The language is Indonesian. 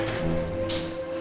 ini aku seleksi